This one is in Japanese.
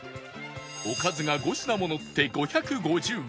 おかずが５品ものって５５０円